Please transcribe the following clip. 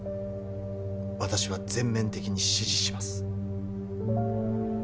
「私は全面的に支持します」